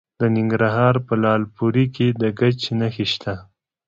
د ننګرهار په لعل پورې کې د ګچ نښې شته.